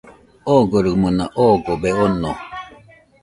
Ogorimona ogobe ono.